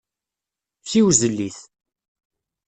Siwzel-it.